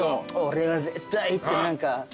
俺は絶対って何か。